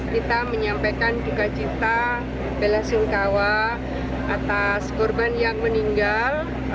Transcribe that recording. kita menyampaikan juga cinta bela sengkawa atas korban yang meninggal